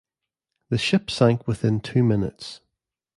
The ship sank within two minutes.